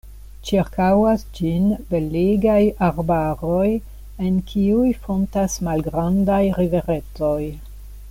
Ĉirkaŭas ĝin belegaj arbaroj, en kiuj fontas malgrandaj riveretoj.